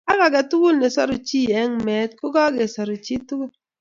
Ak agetugul ne soruu chii eng mee ko kakosuru chi tugul.